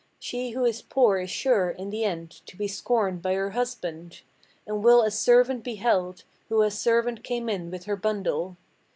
She who is poor is sure, in the end, to be scorned by her husband; And will as servant be held, who as servant came in with her bundle.